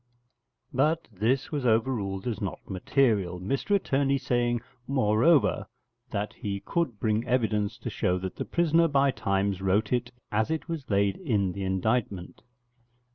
But this was overruled as not material, Mr Attorney saying, moreover, that he could bring evidence to show that the prisoner by times wrote it as it was laid in the indictment.